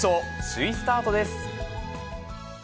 首位スタートです。